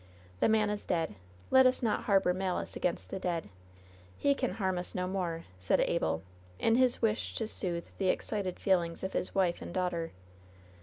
The man is dead. Let us not harbor malice against the dead. He can harm us no more,'^ said Abel, in his wish to soothe the excited feelings of his wife and daughter.